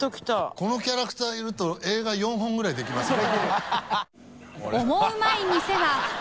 このキャラクターいると映画４本ぐらいできますね。